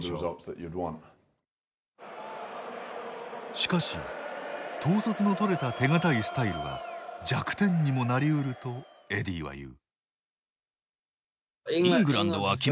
しかし統率のとれた手堅いスタイルは弱点にもなり得るとエディーは言う。